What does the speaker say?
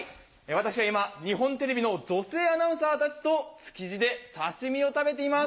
私は今日本テレビの女性アナウンサーたちと築地で刺し身を食べています